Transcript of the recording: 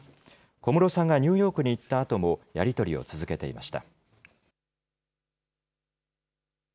小室さんがニューヨークに行ったあとも、やり取りを続けていました。